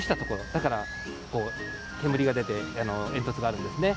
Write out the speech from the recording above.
だから煙が出て煙突があるんです。